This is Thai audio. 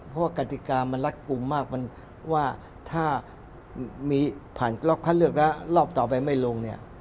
เพราะว่ากฎิกามันรักกลุมมากว่าถ้าผ่านกล้องค่าเลือกแล้วรอบต่อไปไม่ลง